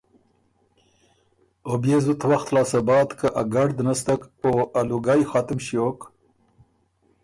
او بيې زُت وخت لاسته بعد که ا ګړد نستک او ا لوګئ ختُم ݭیوک،